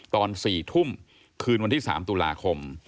ตอน๔ทุ่มคืนวันที่๓ตุลาคม